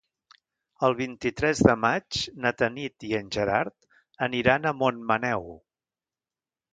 El vint-i-tres de maig na Tanit i en Gerard aniran a Montmaneu.